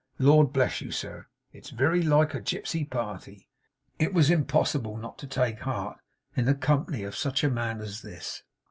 Lord bless you, sir, it's very like a gipsy party!' It was impossible not to take heart, in the company of such a man as this.